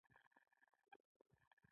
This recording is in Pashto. څوک پوهیږي چې ژوند څه خوند لري